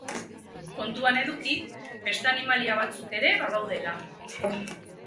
Kontuan eduki beste animalia batzuk ere badaudela.